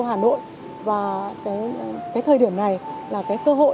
và thời điểm này là cơ hội rất thích hợp để chúng tôi khởi động lại chương trình tour đêm